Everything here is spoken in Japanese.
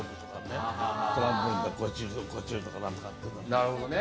なるほどね。